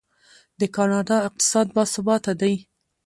د کاناډا اقتصاد باثباته دی.